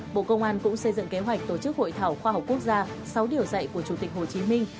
bộ công an cũng xây dựng kế hoạch tổ chức hội thảo khoa học quốc gia sáu điều dạy của chủ tịch hồ chí minh